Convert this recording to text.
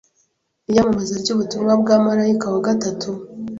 iyamamaza ry’ubutumwa bwa marayika wa gatatu